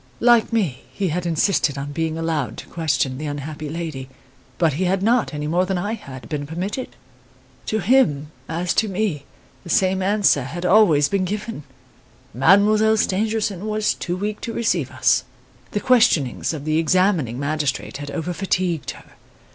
Like me, he had insisted on being allowed to question the unhappy lady; but he had not, any more than had I, been permitted. To him, as to me, the same answer had always been given: Mademoiselle Stangerson was too weak to receive us. The questionings of the examining magistrate had over fatigued her.